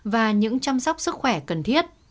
và những chăm sóc sức khỏe cần thiết